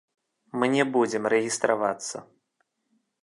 Мы не будзем рэгістравацца.